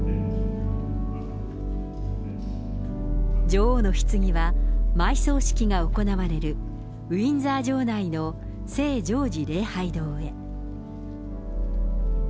女王のひつぎは、埋葬式が行われるウィンザー城内の聖ジョージ礼拝堂へ。